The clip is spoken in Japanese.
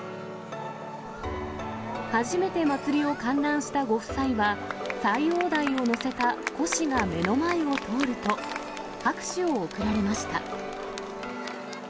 初めて祭りを観覧したご夫妻は、斎王代を乗せたこしが目の前を通ると、拍手を送られました。